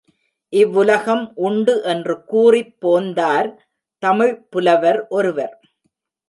இவ்வுலகம் உண்டு என்று கூறிப் போந்தார் தமிழ்ப்புலவர் ஒருவர்.